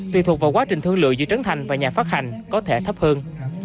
tùy thuộc vào quá trình thương lượng giữa trấn thành và nhà phát hành có thể thấp hơn